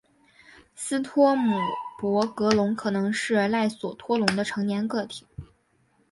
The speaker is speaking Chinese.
斯托姆博格龙可能是赖索托龙的成年个体。